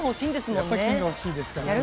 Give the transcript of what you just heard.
やっぱ金が欲しいですからね。